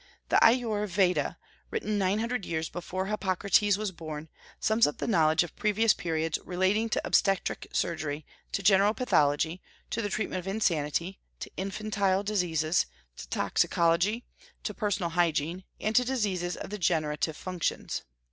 The Ayur Veda, written nine hundred years before Hippocrates was born, sums up the knowledge of previous periods relating to obstetric surgery, to general pathology, to the treatment of insanity, to infantile diseases, to toxicology, to personal hygiene, and to diseases of the generative functions.